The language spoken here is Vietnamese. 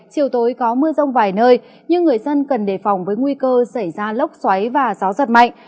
chiều tối có mưa rông vài nơi nhưng người dân cần đề phòng với nguy cơ xảy ra lốc xoáy và gió giật mạnh